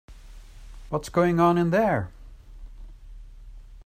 What's going on in there?